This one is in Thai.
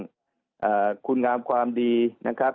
คุณขอบคุณกลางวังดีนะครับ